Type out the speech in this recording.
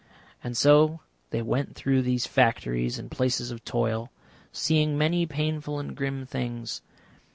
And so they went through these factories and places of toil, seeing many painful and grim things.